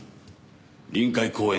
臨海公園